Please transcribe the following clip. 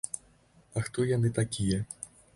А хто яны такія?